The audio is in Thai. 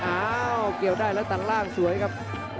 อ้าวเกี่ยวได้แล้วตัดล่างสวยครับ